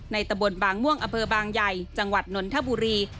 ตะบนบางม่วงอเภอบางใหญ่จังหวัดนนทบุรี